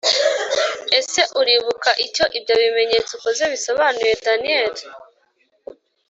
……. ese uribuka icyo ibyo bimenyetso ukoze bisobanuye daniel!’